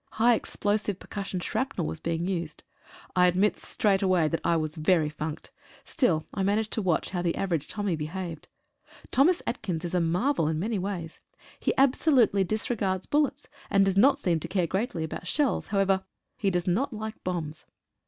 High explosive percussion shrapnel was being used. I admit straight away that I was very funked, still I managed to watch how the average Tommy behaved. Thomas Atkins is a marvel in many ways. He absolutely disregards bul lets, and does not seem to care greatly about shells. However, he does not like bombs.